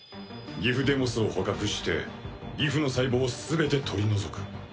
ギフデモスを捕獲してギフの細胞を全て取り除く。